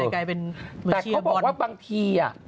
กลายเป็นเฮ่มันกลายเป็นเมอร์เชียวบอล